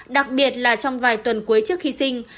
đặc biệt là trong vài tuần cuối trước khi sinh